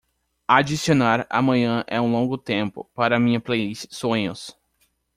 Adicionar Amanhã é um longo tempo para minha playlist Sueños